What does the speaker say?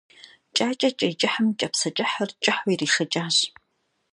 Кӏакӏэ кӏей кӏыхьым кӏапсэ кӏыхьыр кӏыхьу къришэкӏащ.